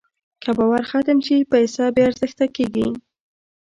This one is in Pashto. که باور ختم شي، پیسه بېارزښته کېږي.